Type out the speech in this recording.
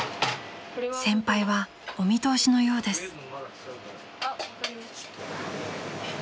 ［先輩はお見通しのようです］